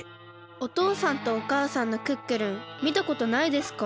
おとうさんとおかあさんのクックルンみたことないですか？